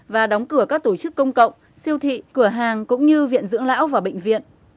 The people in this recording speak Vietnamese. và đóng cửa các tổ chức công cộng siêu thị cửa hàng cũng như viện dưỡng lão và bệnh viện